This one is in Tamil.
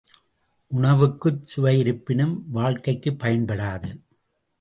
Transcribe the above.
உணவுக்குச் சுவையிருப்பினும் வாழ்க்கைக்குப் பயன்படாது.